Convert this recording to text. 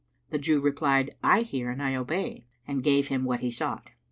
The Jew replied, "I hear and I obey," and gave him what he sought.